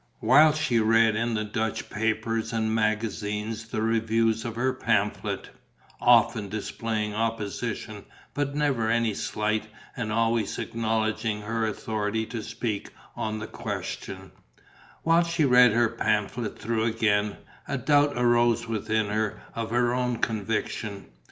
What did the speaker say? While she read in the Dutch papers and magazines the reviews of her pamphlet often displaying opposition but never any slight and always acknowledging her authority to speak on the question while she read her pamphlet through again, a doubt arose within her of her own conviction.